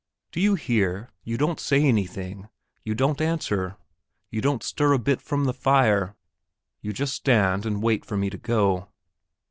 Do you hear? You don't say anything; you don't answer; you don't stir a bit from the fire; you just stand and wait for me to go...."